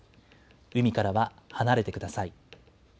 海からは離れてください。